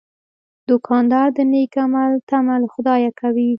دوکاندار د نیک عمل تمه له خدایه کوي.